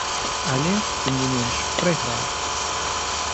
Але, тым не менш, прайграў.